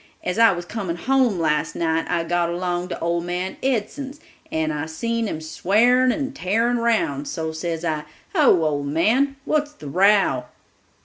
As I was coming home last night I got along to old man Edson's, and I seen him swarin' and tarin' round so says I, 'Ho, old man, what's the row?